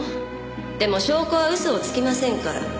でも証拠は嘘をつきませんから。